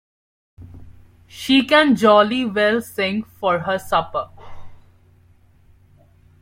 She can jolly well sing for her supper!